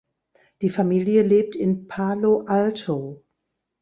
Die Familie lebt in Palo Alto.